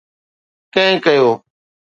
ڪنهن ڪيو